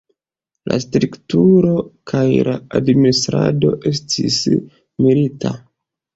La strukturo kaj la administrado estis milita.